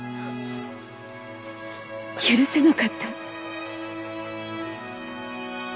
許せなかった。